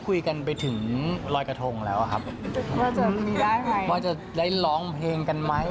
ว่าจะได้ร้องเพลงกันไหม